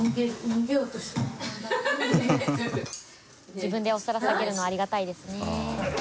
自分でお皿さげるのありがたいですね。